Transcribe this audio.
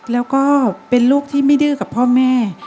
แล้วก็เป็นลูกที่ไม่ดื้อกับพ่อแม่